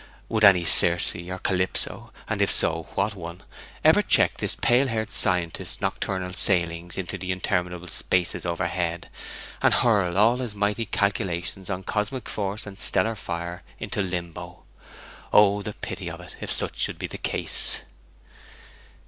Would any Circe or Calypso and if so, what one? ever check this pale haired scientist's nocturnal sailings into the interminable spaces overhead, and hurl all his mighty calculations on cosmic force and stellar fire into Limbo? Oh, the pity of it, if such should be the case!